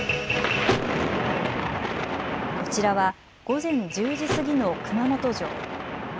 こちらは午前１０時過ぎの熊本城。